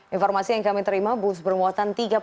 informasi yang kami terima bus bermuatan